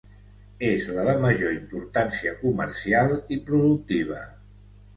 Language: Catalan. És la de major importància comercial i productiva.